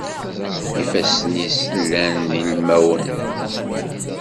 Ifassen-is llan d ilmawen.